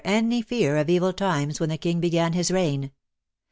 57 any fear of evil times when the King began his reign.